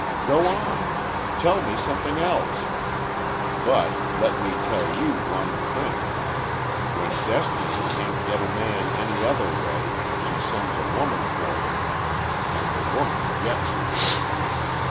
Go on! Tell me something else! But let me tell you one thing! When Destiny can't get a man any other way, she sends a woman for him.... And the woman gets him."